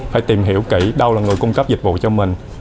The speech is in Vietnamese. phải tìm hiểu kỹ đâu là người cung cấp dịch vụ cho mình